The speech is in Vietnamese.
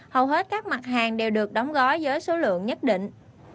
hầu hết các mặt hàng đều được đóng gói với số lượng nhất định